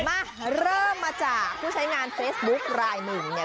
มาเริ่มมาจากผู้ใช้งานเฟซบุ๊คลายหนึ่งเนี่ย